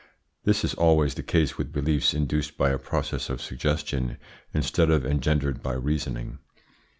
This is always the case with beliefs induced by a process of suggestion instead of engendered by reasoning.